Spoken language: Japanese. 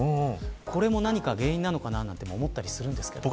これも何か原因なのかなと思ったりするんですけど。